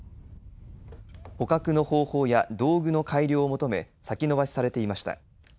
捕獲の方法や道具の改良を求め先延ばしされていました。